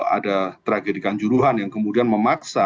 ada tragedikan juruhan yang kemudian memaksa